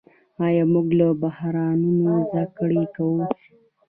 آیا موږ له بحرانونو زده کړه کوو؟